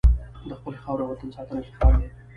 د خپلې خاورې او وطن ساتنه افتخار دی.